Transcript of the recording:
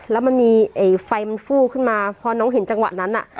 แล้วมันมีไฟมันฟู้ขึ้นมาพอน้องเห็นจังหวะนั้น